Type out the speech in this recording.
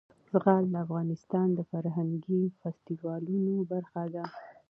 زغال د افغانستان د فرهنګي فستیوالونو برخه ده.